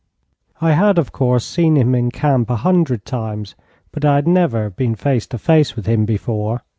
I had, of course, seen him in camp a hundred times, but I had never been face to face with him before.